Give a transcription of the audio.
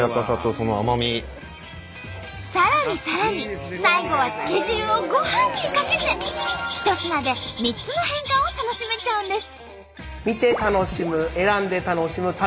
さらにさらに最後はつけ汁をご飯にかけて一品で３つの変化を楽しめちゃうんです。